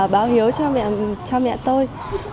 báo hiếu cho mẹ tôi